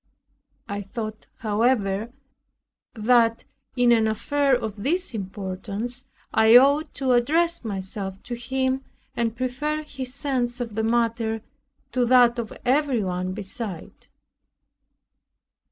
I thought, however, than in an affair of this importance, I ought to address myself to him, and prefer his sense of the matter to that of every one beside.